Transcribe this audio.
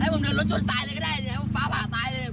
ให้ผมเดินรถชนตายเลยก็ได้ให้ผมฟ้าผ่าตายเลย